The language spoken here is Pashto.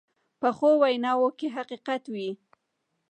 پخو ویناوو کې حقیقت وي